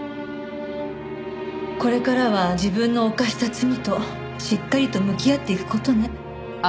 これからは自分の犯した罪としっかりと向き合っていく事ね。